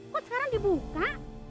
kok sekarang dibuka